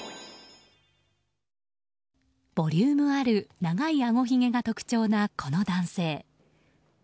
ボリュームある長いあごひげが特徴な、この男性。